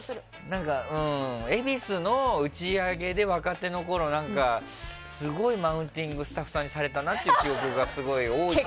恵比寿の打ち上げで若手のころすごいマウンティングをスタッフさんにされたなっていうのがあって。